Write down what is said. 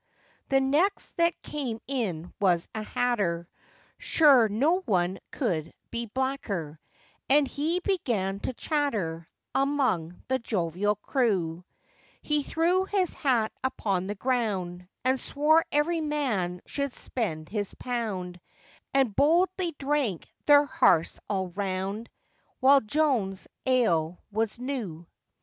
The next that came in was a hatter, Sure no one could be blacker, And he began to chatter, Among the jovial crew: He threw his hat upon the ground, And swore every man should spend his pound, And boldly drank their hearths all round, While Joan's ale was new.